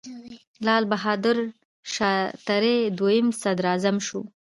لال بهادر شاستري دویم صدراعظم شو.